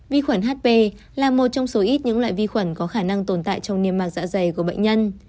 vi khuẩn hp là một trong số ít những loại vi khuẩn có khả năng tồn tại trong niêm mạc dạ dày của bệnh nhân